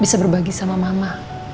bisa berbagi sama mama